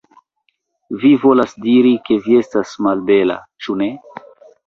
Vi volas diri, ke vi estas malbela, ĉu ne?